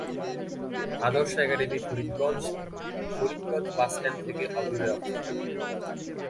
আদর্শ academy Faridganj, Faridganj bus stand থেকে অদূরে অবস্থিত।